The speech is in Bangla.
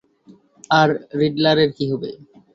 আর রিডলারের কী হবে?